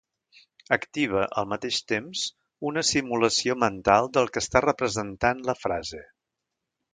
Activa, al mateix temps, una simulació mental del que està representant la frase.